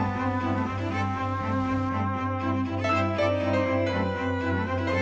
ทุกคนพร้อมแล้วขอเสียงปลุ่มมือต้อนรับ๑๒สาวงามในชุดราตรีได้เลยค่ะ